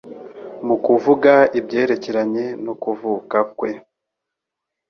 Mu kuvuga ibyerekeranye no kuvuka kwe,